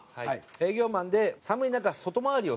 営業マンで寒い中外回りをするという。